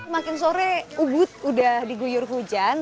makin sore ubud udah diguyur hujan